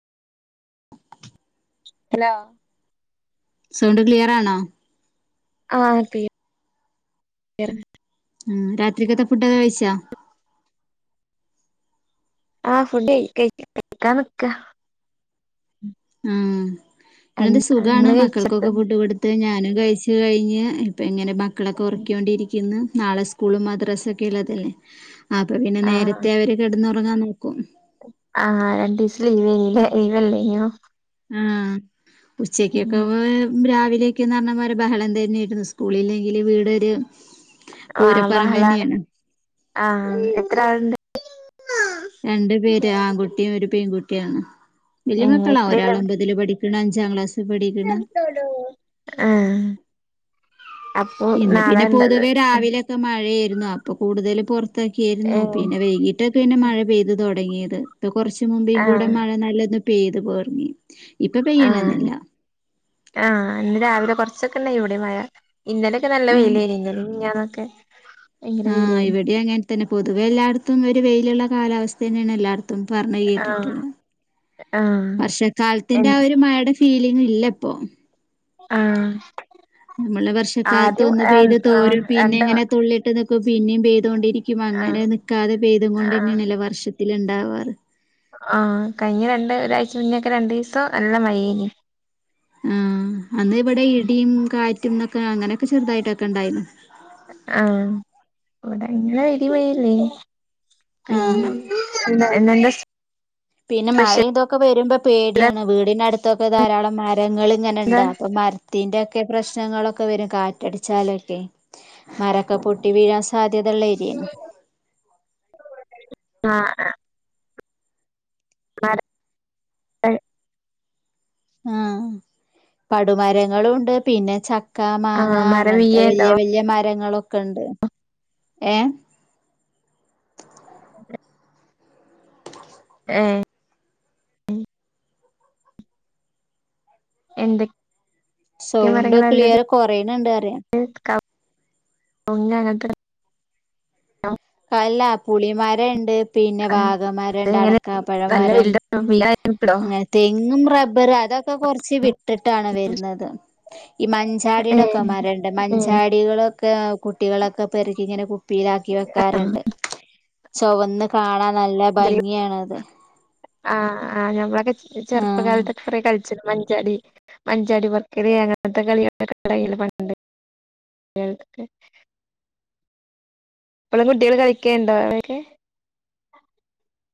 hello sound clear ആണോ ആഹ അതെ രാത്രിക്കാത്ത ഫുഡൊക്കെ കഴിച്ചാ ആഹ ഫുഡ് കഴിക്കാൻ നിക്ക ഇന്റെ സുഖമാണ് കഴിച്ചിട്ട് മക്കൾക്കൊക്കെ ഫുഡ്‌ കൊടുത്ത് ഞാനും കഴിച്ചു കഴിഞ്ഞ് ഇപ്പ എങ്ങന മക്കളൊക്കെ ഉറക്കൊണ്ടിരിക്കുന്നു നാളെ സ്കൂൾ മദ്രസഒക്കെ ഉള്ളതല്ലേ ആ അപ്പൊ പിന്നെ നേരത്തെ അവര് കിടന്ന ഒറങ്ങാൻ നോക്കും ആഹ രണ്ടു ദിവസം ലീവല്ലേ ലീവല്ലേ ഇനോ ഉം ഉച്ചക്കൊക്കെ് രാവിലെയൊക്കെയന്ന് പറഞ്ഞാ ബഹളം തന്നെയായിരുന്നു സ്കൂളില്ലെങ്കിൽ വീടൊരു ആ പൂരപ്പറമ്പ് ബഹളാണ് തന്നെയാണ് ആഹ എത്ര ആളണ്ട് രണ്ട് പേര് ആൺകുട്ടിയും ഒരു പെൺകുട്ടിയും ഒക്കെയാണ് വല്യ ഏഹ് മക്കളാ ഒരാൾ ഒമ്പതില് പഠിക്ക ഒരുതൻ അഞ്ചാം ക്ലാസ്സിൽ പഠിക്കണ് ആഹ ഇന്ന് പിന്നെ പൊതുവെ രാവിലെക്കെ മഴ ആയിരുന്നു അപ്പൊ കൂടുതല് പുറത്തു ഇക്ക ആയിരുന്നു ഏഹ് പിന്നെ വൈകീട്ടൊക്കെ പിന്നെ മഴ പെയ്തോ തുടങ്ങിയത് ഇപ്പൊ കുറച്ച മുമ്പേ കൂടെ മഴ നല്ല പേദപർങ്ങി ആഹ ആഹ അ രാവിലെ പിന്ന കുറച്ചൊക്കെ ഉണ്ട എവിടെയും മയാ ഇന്നലൊക്കെ നല്ല വെല ആയിന്നള്ളൂ ഞാനൊക്കെ ആഹ് ഇവിടെ അങ്ങെ പിന്നെ പൊതുവെ എല്ലായിടത്തും ഒരു വെയിലുള്ള കാലാവസ്ഥ തന്നെയാണ് എല്ലായിടത്തും മത്തും പറഞ്ഞഞ് ആഹ് കേട്ടിട്ടുള്ളു ആഹ് എൻ വർഷക്കാലത്തിന്റെ ആ ഒരു മട ഫീലിംഗ ഇല്ല ഇപ്പൊ ആഹ് നമ്മള് വർഷക്കാലത്ത് ആദ്യം ഒന്ന് ആഹ് പെയ്ത് ആഹ് തോരും പിന്നെ രണ്ട് എങ്ങനെ തുള്ളിയിട്ട് പിന്നെ ബേ ണ്ടരിക്കും അങ്ങനെ ആഹ് നൽക്കാതെ ഭേദം കൊണ്ട് ആഹ് തന്നെയാണ് നില വർഷത്തി ത്തിലുണ്ടാവാറ് ആ കഴിഞ്ഞ രണ്ട് ഒരാഴ്ച മുന്നക്കെ രണ്ടു ഈസം നല്ല മയയായീന് ഉം അന്ന് ഇവിടെ ഇടിയും കാ റ്റ്ന്നൊക്കെ അങ്ങനെയൊക്കെ ചെറുതായിട്ടൊക്കെ ഇണ്ടായിരുന്നു ആഹ് ഇവടെ ഇങ്ങനെ ഇടി പോയില്ലേ ആഹ് പിന്ന എന്താ എന്നണ്ട് പിന്നെ മഴ ഇതൊക്കെ വ രുമ്പോ പേടിയാണ് വീടിനടുത്തൊക്കെ ധാരാളം [unintelligible] എന്താ രങ്ങളിങ്ങനെണ്ടാവും അപ്പൊ മരത്തിന്റെ ഒക്കെ പ്രശ്നങ്ങളൊക്കെ വരും കാറ്റടിച്ചാലൊക്കെയേ മരൊക്കെ പൊട്ടി വീഴാൻ സാധ്യതയള്ള ഏരിയാണ് ആഹ് മര ഏഹ് ആ പടുമരങ്ങളുവുണ്ട് പിന്നെ ച ക്ക മാങ്ങ ആഹ് മരം അങ്ങനത്തെ വീഴേണ്ടോ വല്ല്യ വല്ല്യ മരങ്ങളൊ ക്കണ്ട് ഏഹ് ഏഹ് എന്ത് സൗണ്ട് ക്ലിയർ കൊറേണണ്ട് അറിയാം ഞാനത്ര [unintelligible] അല്ല പുളിമാരം ഇ പിന്നെ ആഹ് വാഗ അത് മരംണ്ട് എങ്ങനെ അടക്കാപ്പഴ നല്ല മരം വലുതാണോ വീഴാൻ എളുപ്പണ്ടോ അങ്ങനെ തെങ്ങും റബ്ബറ് അതൊക്കെ കൊറച്ച് വിട്ടിട്ടാണ് വരുന്നത് ഈ ഏഹ് മഞ്ചാടിടൊക്കെ മരണ്ട് ഏഹ് മഞ്ചാടികളൊക്കെ കുട്ടികളൊക്കെ പെറക്കി ഇങ്ങനെ കുപ്പിയിലാക്കി മരണ്ട് ആഹ് ചൊവന്ന് കാണാ നല്ല ഭംഗിയാണ് അത് ആഹ ആഹ് ഞമ്മളൊക്കെ ഈ ആഹ് ചെറുപ്പകാലത്ത്ഒക്കെ കുറേ കളിച്ചു മ മഞ്ചാടി പറിക്കല് അങ്ങനത്തെ കളികളക്കെണ്ടായില്ലേ പണ്ട് [unintelligible] ഇപ്പഴും കുട്ടികൾ കളിക്കാണ്ടോ അവിടൊക്കെ